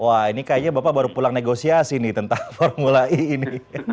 wah ini kayaknya bapak baru pulang negosiasi nih tentang formula e ini